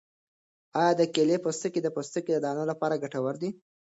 آیا د کیلې پوستکی د پوستکي د دانو لپاره ګټور دی؟